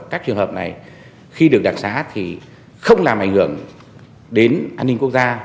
các trường hợp này khi được đặc xá thì không làm ảnh hưởng đến an ninh quốc gia